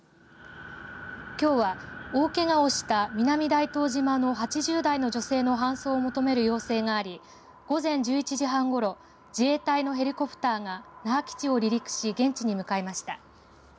きょうは大けがをした南大東島の８０代の女性の搬送を求める要請があり午前１１時半ごろ自衛隊のヘリコプターが那覇基地を離陸し現地に向かいました。